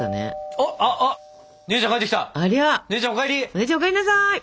お姉ちゃんお帰りなさい！